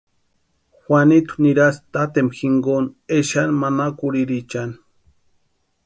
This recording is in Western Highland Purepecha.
Juanitu nirasti taatempa jinkuni exeani manakurhirichani.